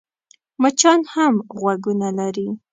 مچان هم غوږونه لري .